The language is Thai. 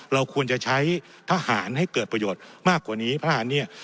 เราควรจะใช้ทหารให้เกิดประโยชน์มากกว่านี้พระอันเนี่ย